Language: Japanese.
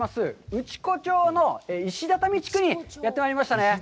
内子町の石畳地区にやってまいりましたね。